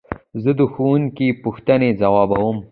زه د ښوونکي پوښتنې ځوابوم.